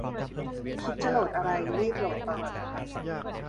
คิดจะโหลดอะไร รีบโหลดตอนนี้ครับ